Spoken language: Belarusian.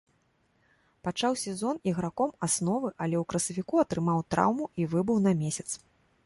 Пачаў сезон іграком асновы, але ў красавіку атрымаў траўму і выбыў на месяц.